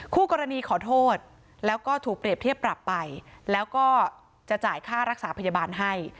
คู่กรณีขอโทษแล้วก็ถูกเปรียบเทียบปรับไปแล้วก็จะจ่ายค่ารักษาพยาบาลให้